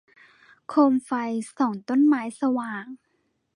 โคมไฟส่องต้นไม้สว่าง